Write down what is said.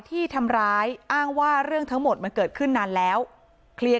ที่ทำร้ายอ้างว่าเรื่องทั้งหมดมันเกิดขึ้นนานแล้วเคลียร์